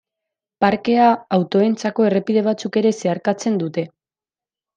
Parkea autoentzako errepide batzuek ere zeharkatzen dute.